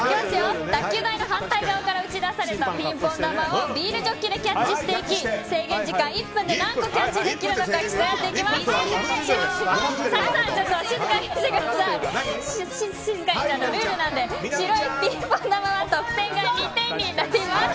卓球台の反対側から打ち出したピンポン球をビールジョッキでキャッチして制限時間１分で何個キャッチできるか競っていきます。